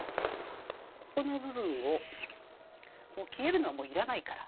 ここの部分を消えるのはもういらないから。